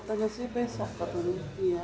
katanya sih besok katanya